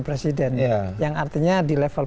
presiden yang artinya di level